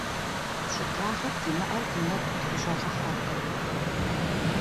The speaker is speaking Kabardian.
Щӏыдагъэр димыӏэу ди нэгу къытхущӏэгъэхьэркъым.